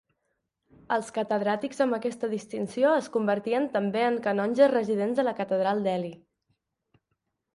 Els catedràtics amb aquesta distinció es convertien també en canonges residents de la catedral d'Ely.